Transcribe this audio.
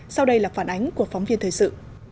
sau đây là phản ánh của phóng viên thời sự